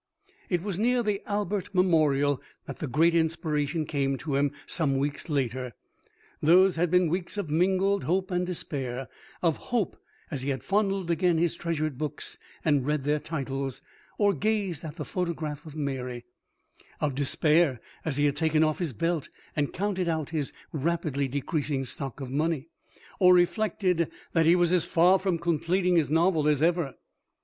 II It was near the Albert Memorial that the great inspiration came to him some weeks later. Those had been weeks of mingled hope and despair; of hope as he had fondled again his treasured books and read their titles, or gazed at the photograph of Mary; of despair as he had taken off his belt and counted out his rapidly decreasing stock of money, or reflected that he was as far from completing his novel as ever.